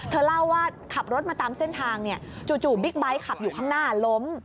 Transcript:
เล่าว่าขับรถมาตามเส้นทางจู่บิ๊กไบท์ขับอยู่ข้างหน้าล้ม